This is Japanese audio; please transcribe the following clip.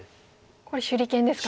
これ手裏剣ですか？